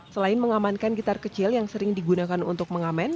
selain mengamankan gitar kecil yang sering digunakan untuk mengamen